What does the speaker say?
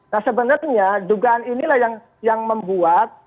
nah sebenarnya dugaan inilah yang membuat